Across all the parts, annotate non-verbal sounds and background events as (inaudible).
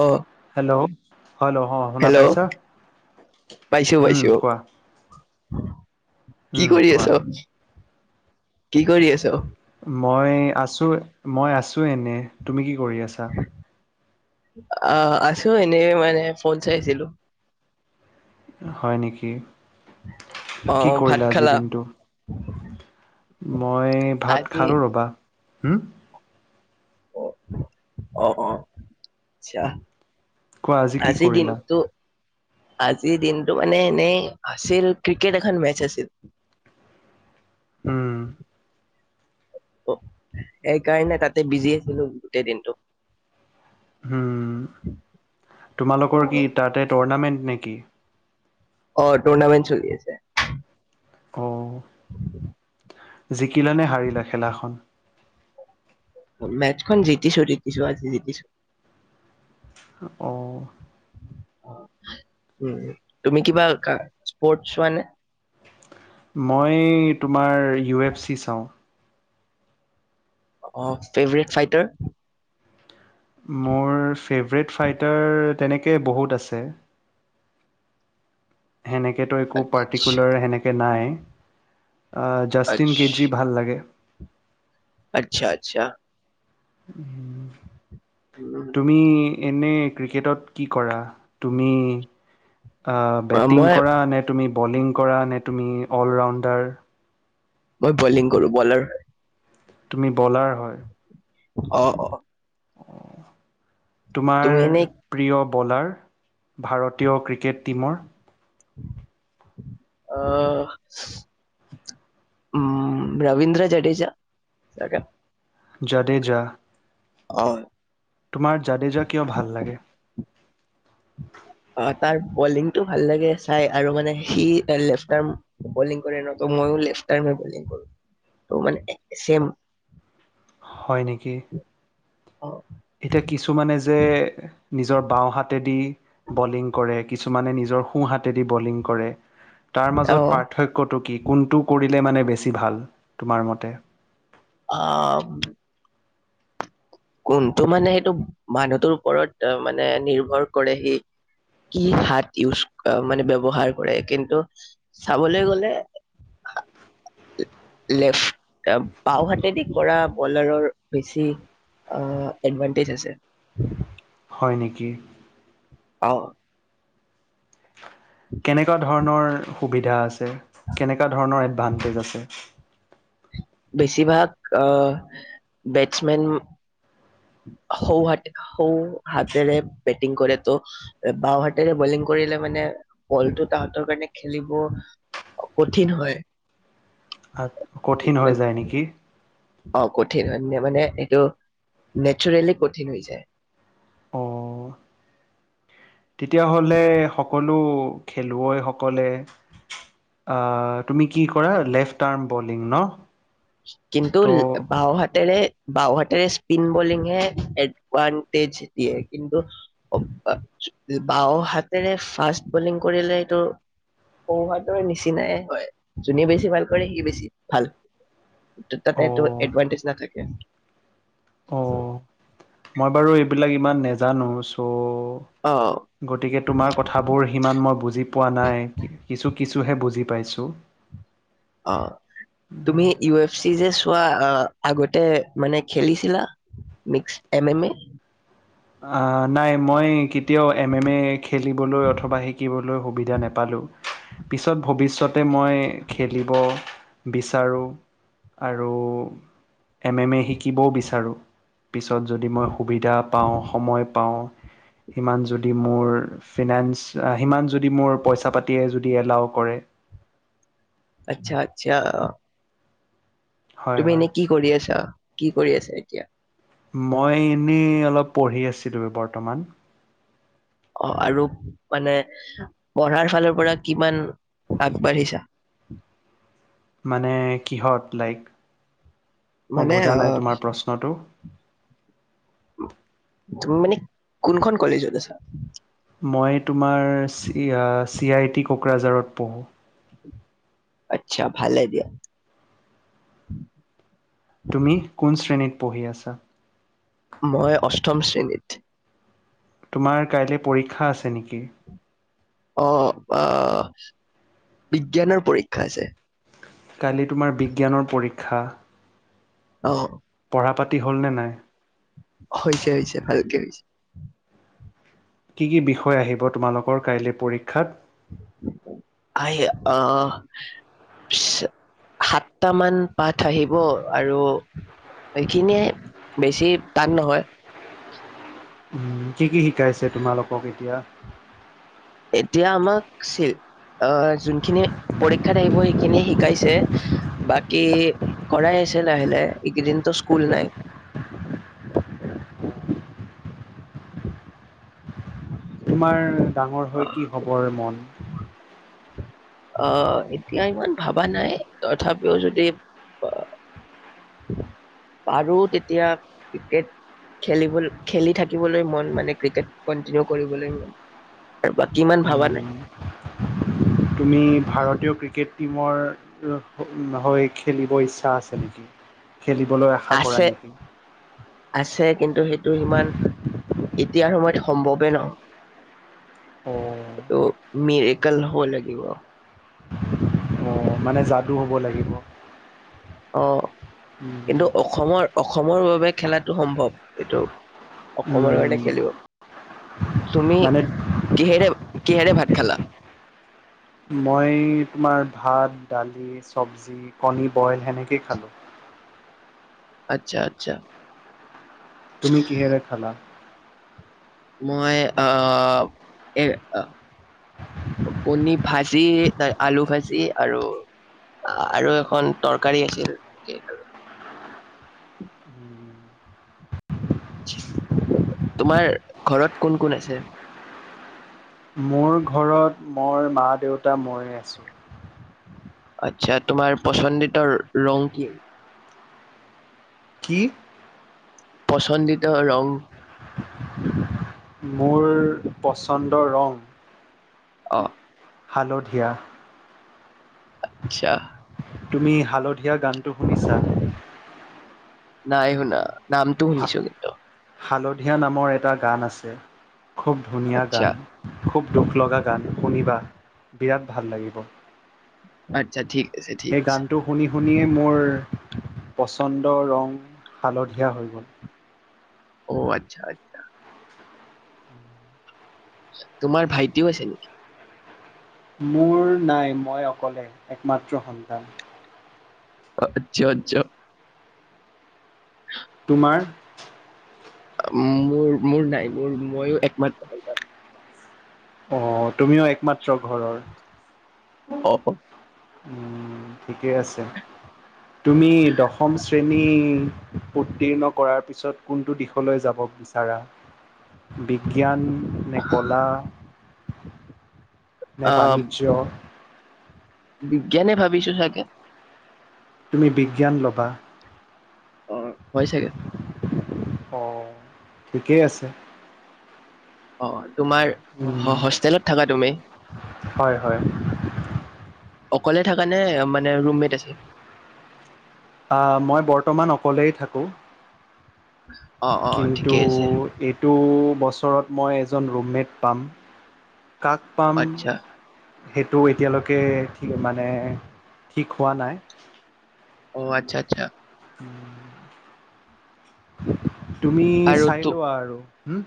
অ hello hello অ শুনা hello পাইছা পাইছো উম পাইছো কোৱা কি উম কৰি কোৱা আছ কি কৰি আছ মই আছো মই আছো এনে তুমি কি কৰি আছা অ আছো এনে মানে ফোন চাইছিলো হয় নেকি অ কি ভাত কৰিলা আজিৰ খালা দিনটো মই ভাত আজি খালো ৰ'বা হম অ অ অ আচ্ছা কোৱা কি আজি কৰিলা দিনতো আজিৰ দিনটো মানে এনেই আছিল ক্ৰিকেট এখন মেচ আছিল। উম। সেইকাৰণে তাতে বিজি আছিলো গোটেই দিনটো। উম তোমালোকৰ কি তাতে টুৰ্ণামেন্ট নেকি? অ টুৰ্নামেট চলি আছে। অ, জিকিলা নে হাৰিলা খেলাখন? মেচখন জিকিছো জিকিছো আজি জিকিছোঁ। অ, উ তুমি কিবা স্পৰ্ট হোৱা নে? মই তোমাৰ ইউ এফ চি চাওঁ। অ ফেভৰেট ফাইটাৰ মোৰ ফেভৰেট ফাইটাৰ তেনেকৈ বহুত আছে। সেনেকেতো একো আচ্ছা পাৰ্টিকুলাৰ সেনেকে নাই জাষ্টিন আচ্ছা কেজি ভাল লাগে আচ্ছা! আচ্ছা! উম। উম। তুমি এনেই ক্ৰিকেটত কি কৰা তুমি? অ আহ, বেটিং মই কৰা নে তুমি বলিং কৰা নে তুমি অল ৰাউণ্ডাৰ মই বলিং কৰো বলাৰ হয় তুমি বলাৰ হয় অ, অ, তোমাৰ তুমি এনেই প্ৰিয় বলাৰ ভাৰতীয় ক্ৰিকেট টীমৰ অ, উম ৰবীন্দ্ৰ জডেজা চাগে জডেজা অ, তোমাৰ যাদে যা কিয় ভাল লাগে? অ তাৰ বলিং টো ভাল লাগে চাই আৰু মানে সি লেফটাৰ কৰে নত মই লেফটাৰে টাৰ্মে বলিং ত মানে একে চেম হয় নেকি? অ এতিয়া কিছুমানে যে নিজৰ বাওঁ হাতেদি বলিং কৰে। কিছুমানে নিজৰ সোঁ হাতেদি বলিং কৰে। তাৰ অ মাজত পাৰ্থক্য পাৰ্থক্যটো কি কোনটো কৰিলে মানে বেছি ভাল তোমাৰ মতে অ, কোনটো মানে সেইটো মানুহটোৰ ওপৰত মানে নিৰ্ভৰ কৰে। সি কি হাত ইউজ মানে ব্যৱহাৰ কৰে। কিন্তু চাবলে গলে লেফট বাও হাতেদি কৰা বলাৰৰ বেছি এডভণ্টেজ আছে। হয় নেকি। অ, কেনেকুৱা ধৰণৰ সুবিধা আছে। কেনেকুৱা ধৰণৰ এডভানটেজ আছে। বেছিভাগ আহ বেটছমেন সৌ হাত সৌ হাতেৰে বেটিং কৰে ত' বাওঁ হাতেৰে বলিং কৰিলে মানে বলটো তাহতৰ কাৰণে খেলিব কঠিন হয়। কঠিন হৈ মানে যায় নেকি? অ', কঠিন হয়, মানে এইটো নেচাৰেলি কঠিন হৈ যায়। অ' তেতিয়াহ'লে সকলো খেলুৱৈসকলে অ', তুমি কি কৰা লেফ্ট আৰ্ম বলিং ন'? কিন্তু ত' বাওঁ হাতেৰে বাওঁ হাতেৰে স্পিন বলিং হে এডভানটেজ দিয়ে। কিন্তু বাও হাতেৰে ফাষ্ট বলিং কৰিলে এইটো সোঁ হাতৰ নিচিনাই হয়। যোনে বেছি ভাল কৰে সি বেছি ভাল। তাতেটো অ' এডভানটেজ নাথাকে। অ', মই বাৰু এইবিলাক ইমান নেজানো। চ' অ গতিকে তোমাৰ কথা বোৰ সিমান মই বুজি পোৱা নাই। কিছু কিছুহে বুজি পাইছো। অ'। তুমি ইউ এফ চি যে চোৱা। আগতে মানে খেলিছিলা? Mix M M A. অ', নাই মই কেতিয়াও এম এম এ খেলিবলৈ অথবা শিকিবলৈ সুবিধা নাপালোঁ। পিছত ভৱিষ্যত তে মই খেলিব বিচাৰোঁ আৰু এম এম এ শিকিবও বিচাৰোঁ। পিছত যদি মই সুবিধা পাওঁ, সময় পাওঁ সিমান যদি মোৰ ফিনেন্স সিমান যদি মোৰ পইচা পাতিয়ে যদি এলাও কৰে। আচ্ছা আচ্ছা। হয় তুমি হয়। এনেই কি কৰি আছা, কি কৰি আছা এতিয়া? মই এনেই অলপ পঢ়ি আছিলো বৰ্তমান। অ', আৰু মানে পঢ়াৰ ফালৰ পৰা কিমান আগবাঢ়িছা? মানে কিহত? লাইক, মই মানে বুজা অ নাই তোমাৰ প্ৰশ্নটো। তুমি মানে কোনখন কলেজত আছা? মই তোমাৰ চ চি আই টি কোকৰাঝাৰত পঢ়োঁ। আচ্ছা ভালে দিয়া। তুমি কোন শ্ৰেণীত পঢ়ি আছা? মই অষ্টম শ্ৰেণীত। তোমাৰ কাইলৈ পৰীক্ষা আছে নেকি? আহ, বিজ্ঞানৰ পৰীক্ষা আছে। কালি তোমাৰ বিজ্ঞানৰ পৰীক্ষা। অ'। পঢ়া-পাতি হ'লনে নাই? হৈছে হৈছে ভালকে হৈছে। কি কি বিষয় আহিব, তোমালোকৰ কাইলৈ পৰীক্ষাত? আহ, অ' সাতটা মান পাঠ আহিব, আৰু এইখিনিয়ে, বেছি টান নহয়। কি, কি শিকাইছে তোমালোকক এতিয়া। এতিয়া আমাক অ', যোনখিনি পৰীক্ষাত আহিব সেইখিনি শিকাইছে। বাকী কৰাই আছে লাহে, লাহে এইকেইদিনটো স্কুল নাই। তোমাৰ ডাঙৰ অ হৈ কি হ'বৰ মন? আহ, এতিয়া ইমান ভবা নাই, তথাপিও যদি (unintelligible) পাৰো তেতিয়া, ক্ৰিকেট খেলিব খেলি থাকিবলৈ মন মানে ক্ৰিকেট, কন্টিনিউ কৰিবলৈ মন। আৰু বাকী ইমান ভবা নাই। উম, (inaudible) তুমি ভাৰতীয় ক্ৰিকেট টীমৰ, হৈ খেলিব ইচ্ছ ইচ্ছা আছে নেকি, খেলিবলৈ আশা কৰা আছে নেকি? আছে কিন্তু সেইটো সিমান, এতিয়াৰ সময়ত সম্ভৱেই নহয়। অ', অ' এইটো মেৰিকল হ'ব লাগিব। মানে যাদু হ'ব লাগিব। উম, কিন্তু অসমৰ, অসমৰ বাবে খেলাটো সম্ভৱ, এইটো অসমৰ কাৰণে উম, খেলিব, তুমি মানে কিহেৰে, কিহেৰে ভাত খালা? মই তোমাৰ ভাত, দালি চব্জি, কণী বইল সেনেকেই খালোঁ। আচ্ছা, আচ্ছা। তুমি কিহেৰে খালা? মই, আহ কণী ভাজি, আলু ভাজি আৰু, আৰু এখন তৰকাৰী আছিল। তোমাৰ ঘৰত কোন, কোন আছে? মোৰ ঘৰত মোৰ মা, দেউতা, মই আছোঁ। আচ্ছা, তোমাৰ পচন্দিতা ৰং কি? কি? পচন্দিতা ৰং? মোৰ, পচন্দৰ ৰং। অ হালধীয়া। আচ্ছা। তুমি হালধীয়া গানটো শুনিছা? নাই শুনা, নামটো শুনিছোঁ কিন্তু। হালধীয়া নামৰ এটা গান আছে, খুব ধুনীয়া গান। আচ্ছা খুব দুখ লগা গান শুনিবা, বিৰাট, ভাল লাগিব। আচ্ছা ঠিক। আছে ঠিক সেই আছে গানটো শুনি শুনিয়েই মোৰ, পচন্দ ৰং, হালধীয়া হৈ গ'ল। অ', আচ্ছা। তোমাৰ ভাইটিও আছে নেকি? মোৰ নাই, মই অকলে একমাত্ৰ সন্তান। আচ্ছা, আচ্ছা। উম। তোমাৰ? মোৰ, মোৰ নাই, মোৰ মইয়ো একমাত্ৰ। অ, তুমিও একমাত্ৰ ঘৰৰ। অ, অ। ঠিকে আছে। তুমি দশম শ্ৰেণী উত্তীৰ্ণ কৰাৰ পিছত, কোনটো দিশলৈ যাব বিচাৰা? বিজ্ঞান নে কলা নে আহ বাণিজ্য? বিজ্ঞানে ভাবিছো চাগে! তুমি বিজ্ঞান ল'বা। অ, হয় চাগে। অ, ঠিকেই আছে। অ, তোমাৰ উম হোষ্টেলত থাকা তুমি? হয় হয় অকলে থাকা নে, মানে ৰুম মেট আছে? মই বৰ্তমান অকলেই থাকোঁ। অ', অ', কিন্তু ঠিকেই আছে। টো, বছৰত মই এজন ৰুমমেট পাম। কাক পাম আচ্ছা, সেইটো এতিয়ালৈকে মানে ঠিক হোৱা নাই। অ, আচ্ছা, আচ্ছা। তুমি আৰু চাই তো লোৱা আৰু হম।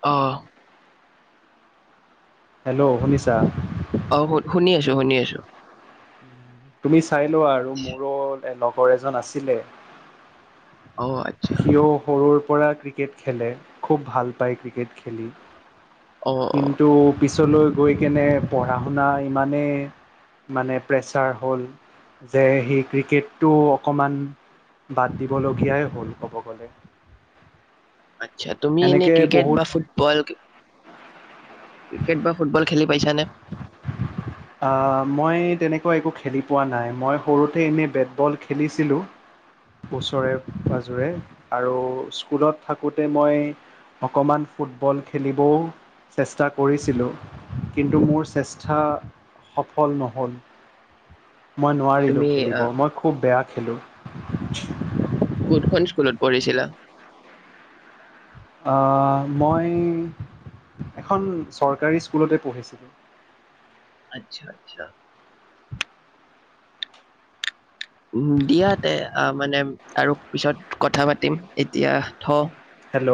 অ। হেল্ল'! শুনিছা? অ, শু শুনি আছো, শুনি আছো। তুমি চাই লোৱা আৰু, মোৰো লগৰ এজন আছিলে। অ, আতচ্ছা। সিও সৰুৰ পৰা ক্ৰিকেট খেলে, খুব ভাল পায় ক্ৰিকেট খেলি। অ। অ', কিন্তু, পিছলৈ গৈ কেনে পঢ়া শুনা ইমানে মানে প্ৰেচাৰ হ'ল যে সেই ক্ৰিকেটটো অকণমান বাদ দিবলগীয়াই হ'ল, ক'ব গ'লে। আতচ্ছা! তুমি এনেই সেনেকৈ ক্ৰিকেট বহুত বা ফুটবল ক্ৰিকেট বা ফুটবল খেলি পাইছা নে? অ। মই তেনেকুৱা একো খেলি পোৱা নাই, মই সৰুতে এনেই বেটবল খেলিছিলোঁ। ওচৰে পাজোৰে, আৰু স্কুলত থাকোঁতে মই অকণমান ফুটবল খেলিবও চেষ্টা কৰিছিলোঁ। কিন্তু মোৰ চেষ্টা সফল নহ'ল। মই নোৱাৰিলোঁ তুমি আ, খেলিব। মই খুব বেয়া খেলোঁ। কোনখন স্কুলত পঢ়িছিলা? মই এখন চৰকাৰী স্কুলতে পঢ়িছিলোঁ। আতচ্ছা, আতচ্ছা। উম, দিয়া তে আহ, মানে আৰু পিছত কথা পাতিম, এতিয়া থওঁ। হেল্ল'!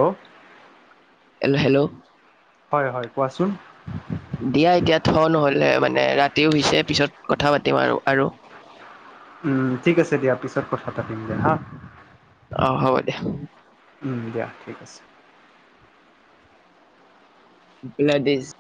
হেল্ল'! হেল্ল'! হয়, হয়, কোৱাচোন? দিয়া এতিয়া থওঁ নহ'লে, মানে ৰাতিও হৈছে, পিছত কথা পাতিম আৰু, আৰু। উম, ঠিক আছে দিয়া, পিছত কথা পাতিম দিয়া, হা। অ', হ'ব দিয়া। উম, দিয়া ঠিক আছে। (unintelligible)